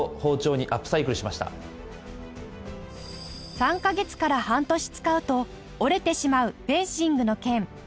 ３カ月から半年使うと折れてしまうフェンシングの剣